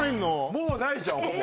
もうないじゃんほぼ。